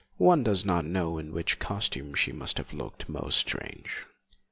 One does not know in which costume she must have looked most strange.